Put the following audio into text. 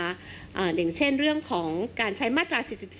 อย่างเช่นเรื่องของการใช้มาตรา๔๔